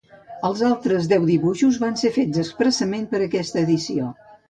Els altres deu dibuixos van ser fets expressament per aquesta edició.